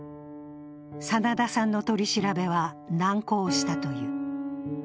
真田さんの取り調べは難航したという。